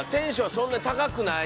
そんな高くない。